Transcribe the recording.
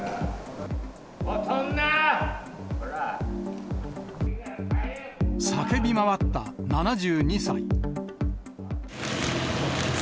おい、叫び回った７２歳。